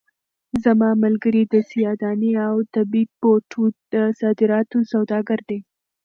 زما ملګری د سیاه دانې او طبي بوټو د صادراتو سوداګر دی.